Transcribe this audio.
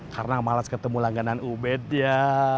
karena males ketemu langganan ubed ya